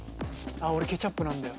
俺ケチャップなんだよ。